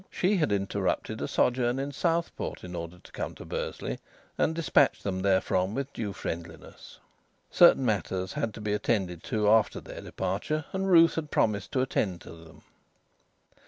She had interrupted a sojourn to Southport in order to come to Bursley, and despatch them therefrom with due friendliness. Certain matters had to be attended to after their departure, and Ruth had promised to attend to them.